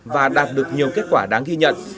và đạt được nhiều kết quả đáng ghi nhận